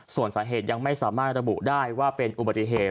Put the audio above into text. ส่วนสาเหตุยังไม่สามารถระบุได้ว่าเป็นอุบัติเหตุ